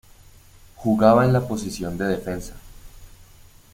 Jugaba en la posición de defensa.